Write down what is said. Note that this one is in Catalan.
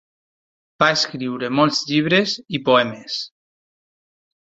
Va escriure molts llibres i poemes.